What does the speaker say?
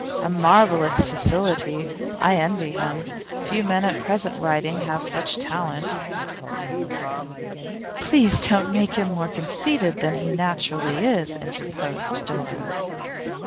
A marvellous facility! I envy him. Few men at present writing have such talent.' 'Please don't make him more conceited than he naturally is,' interposed Dora.